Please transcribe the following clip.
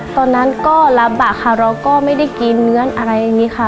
ตอนนั้นก็รับบะค่ะเราก็ไม่ได้กินเงื้อนอะไรอย่างนี้ค่ะ